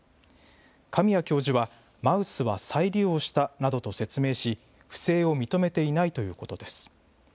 神谷教授は、マウスは再利用したなどと説明し、不正を認めていないということです。